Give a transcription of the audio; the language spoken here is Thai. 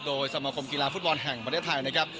โดยสมาคมกีฬาฟุตบอลแห่งประเทศไทยนะครับ